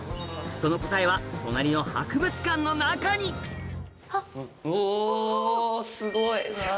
その答えは隣の博物館の中にうわぁ。